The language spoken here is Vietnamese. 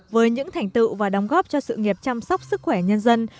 với những thành tựu và đóng góp cho sự nghiệp chăm sóc sức khỏe nhân dân